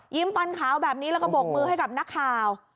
ฟันฟันขาวแบบนี้แล้วก็บกมือให้กับนักข่าว